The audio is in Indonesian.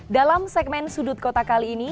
dalam segmen sudut kota kali ini